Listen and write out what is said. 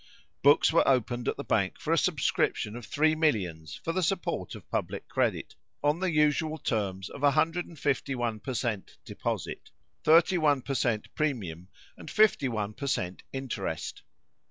Books were opened at the Bank for a subscription of three millions for the support of public credit, on the usual terms of 15l. per cent deposit, 3l. per cent premium, and 5l. per cent interest.